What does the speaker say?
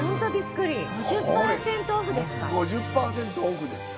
５０％オフですか。